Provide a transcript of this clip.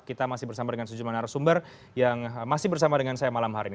kita masih bersama dengan sejumlah narasumber yang masih bersama dengan saya malam hari ini